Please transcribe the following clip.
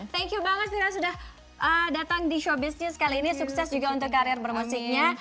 thank you banget nira sudah datang di showbiz nya sekali ini sukses juga untuk karir bermusiknya